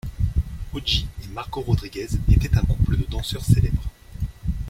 Augie et Margo Rodriguez étaient un couple de danseurs célèbres.